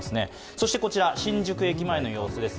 そしてこちら、新宿駅前の様子です。